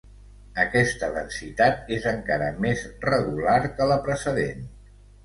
Aquesta densitat és encara més regular que la precedent.